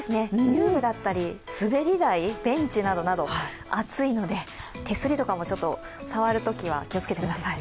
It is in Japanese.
遊具だったり、滑り台ベンチなどなど熱いので手すりとかも触るときは気をつけてください。